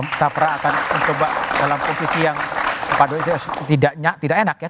kita pernah akan mencoba dalam posisi yang tidak enak ya